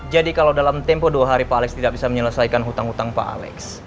jadi kalau dalam tempo dua hari pak aleks tidak bisa menyelesaikan hutang hutang pak aleks